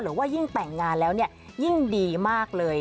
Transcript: หรือว่ายิ่งแต่งงานแล้วเนี่ยยิ่งดีมากเลย